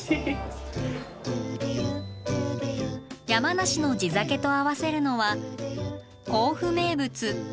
山梨の地酒と合わせるのは甲府名物鳥もつ煮。